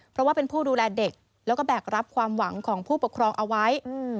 เพราะว่าเป็นผู้ดูแลเด็กแล้วก็แบกรับความหวังของผู้ปกครองเอาไว้